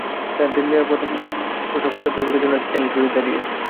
তাঁদের নিরাপদ প্রসব স্বাস্থ্য বিভাগের জন্য একটি চ্যালেঞ্জ হয়ে দাঁড়িয়েছে।